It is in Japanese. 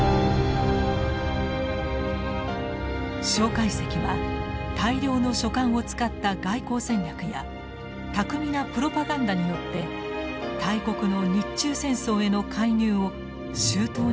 介石は大量の書簡を使った外交戦略や巧みなプロパガンダによって大国の日中戦争への介入を周到に引き出そうとしていました。